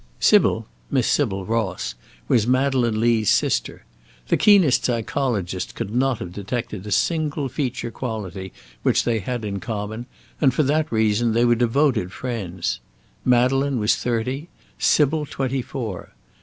Sybil Miss Sybil Ross was Madeleine Lee's sister. The keenest psychologist could not have detected a single feature quality which they had in common, and for that reason they were devoted friends. Madeleine was thirty, Sybil twenty four.